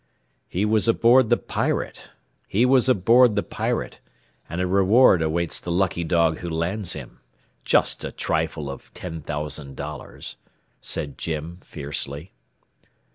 "He was aboard the Pirate, and a reward awaits the lucky dog who lands him. Just a trifle of ten thousand dollars," said Jim, fiercely.